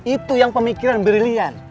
itu yang pemikiran brilian